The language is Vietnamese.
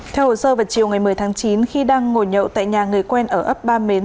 theo hồ sơ vào chiều ngày một mươi tháng chín khi đang ngồi nhậu tại nhà người quen ở ấp ba mến